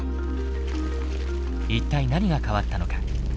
一体何が変わったのか。